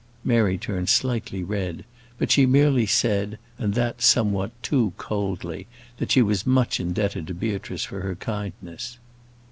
Mary turned slightly red; but she merely said, and that somewhat too coldly, that she was much indebted to Beatrice for her kindness.